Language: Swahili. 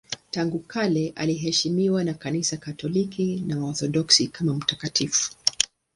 Tangu kale anaheshimiwa na Kanisa Katoliki na Waorthodoksi kama mtakatifu.